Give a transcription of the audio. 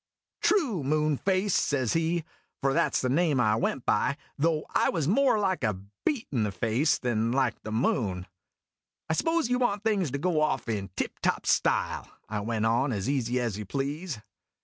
" "True, Moonface," says he; for that 's the name I went by, though I was more like a beet in the face than like the moon. o " I s'pose you want things to go off in tip top style?' I went on as easy as you please.